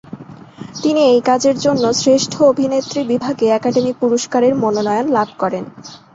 তিনি এই কাজের জন্য শ্রেষ্ঠ অভিনেত্রী বিভাগে একাডেমি পুরস্কারের মনোনয়ন লাভ করেন।